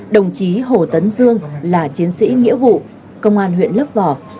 đồng chí hồ tấn dương là chiến sĩ nghĩa vụ công an huyện lấp vò